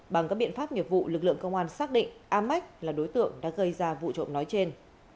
bằng các biện pháp nghiệp vụ lực lượng công an xác định amach là đối tượng đã gây ra vụ trộm nói trên